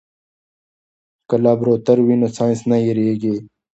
که لابراتوار وي نو ساینس نه هېریږي.